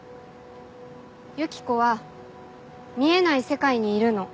ユキコは見えない世界にいるの。